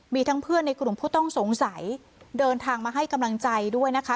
มีทั้งเพื่อนในกลุ่มผู้ต้องสงสัยเดินทางมาให้กำลังใจด้วยนะคะ